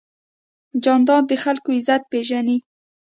جانداد د خلکو عزت پېژني.